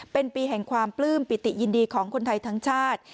เป็นปีแห่งความปลื้มปิติยินดีของคนไทยทั้งชาติ